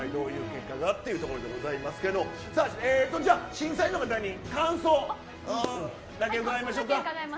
じゃあ審査員の方に感想だけ伺いましょうか。